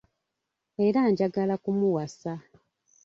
Era ngyagala kumuwasa.